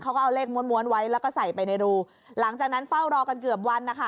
เขาก็เอาเลขม้วนม้วนไว้แล้วก็ใส่ไปในรูหลังจากนั้นเฝ้ารอกันเกือบวันนะคะ